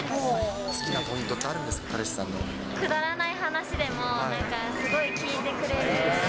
好きなポイントってあるんでくだらない話でも、なんか、すごい聞いてくれる。